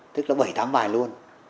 tức là bảy tám bài luôn